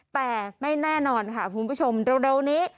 แต่ไม่แน่นอนค่ะคุณผู้ชมเร็วนี้